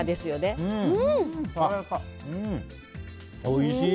おいしい！